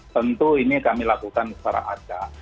tentu ini kami lakukan secara ada